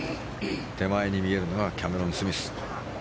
手前に見えるのがキャメロン・スミス。